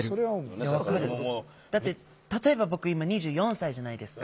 だって例えば僕今２４歳じゃないですか。